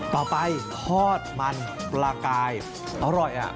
ต่อไปทอดมันปลากายอร่อย